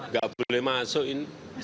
gak boleh masuk ini